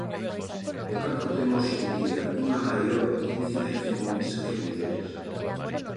O cancro ten hoxe en día unha maior incidencia en homes que en muller.